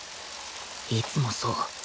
いつもそう